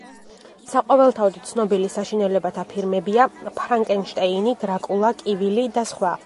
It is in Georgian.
საყოველთაოდ ცნობილი საშინელებათა ფილმებია: „ფრანკენშტეინი“, „დრაკულა“, „კივილი“ და სხვა.